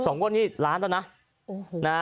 ๒งวดนี้๑ล้านตอนน่ะ